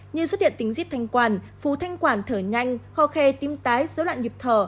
như xuất hiện tính dít thanh quản phù thanh quản thở nhanh kho khe tim tái dấu loạn nhịp thở